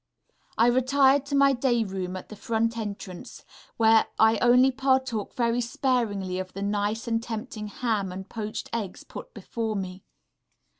I retired to my day room at the front entrance, where I only partook very sparingly of the nice and tempting ham and poached eggs put before me.